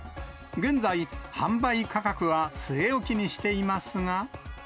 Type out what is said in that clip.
現在、販売価格は据え置きにしていますが。